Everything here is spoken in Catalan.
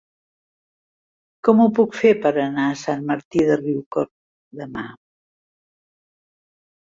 Com ho puc fer per anar a Sant Martí de Riucorb demà?